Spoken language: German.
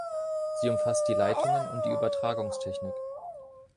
Sie umfasst die Leitungen und die Übertragungstechnik.